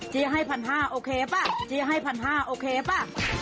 ให้๑๕๐๐โอเคป่ะเจ๊ให้๑๕๐๐โอเคป่ะ